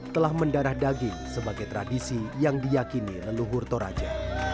telah mendarah daging sebagai tradisi yang diyakini leluhur toraja